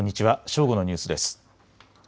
正午のニュースです。